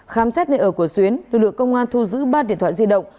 khám xét nơi ở của xuyến lực lượng công an thu giữ ba điện thoại di động